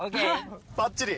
ばっちり。